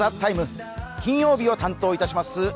「ＴＨＥＴＩＭＥ，」、金曜日を担当いたします